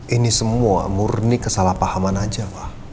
ini semua murni kesalahpahaman aja pak